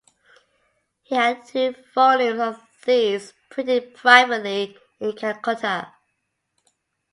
He had two volumes of these printed privately in Calcutta.